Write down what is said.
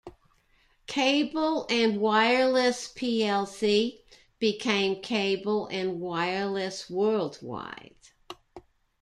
Cable and Wireless plc became Cable and Wireless Worldwide.